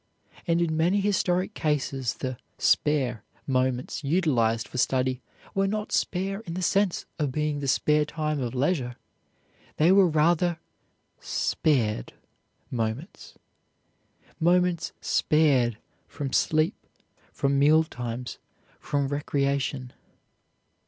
And in many historic cases the "spare" moments utilized for study were not spare in the sense of being the spare time of leisure. They were rather spared moments, moments spared from sleep, from meal times, from recreation.